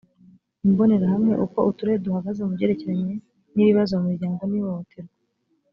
imbonerahamwe uko uturere duhagaze mu byerekeranye n ibibzo mu miryango n ihohoterwa